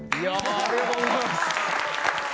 ありがとうございます。